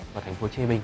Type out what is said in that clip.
và thành phố chê binh